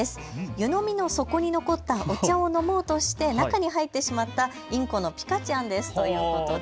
湯飲みの底に残ったお茶を飲もうとして中に入ってしまったインコのピカちゃんですということです。